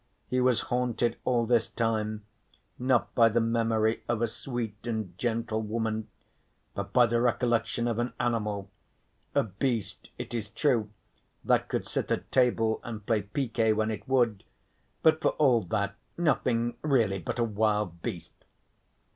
He was haunted all this time not by the memory of a sweet and gentle woman, but by the recollection of an animal; a beast it is true that could sit at table and play piquet when it would, but for all that nothing really but a wild beast.